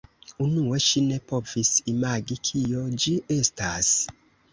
Unue ŝi ne povis imagi kio ĝi estas.